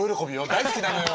大好きなのよ！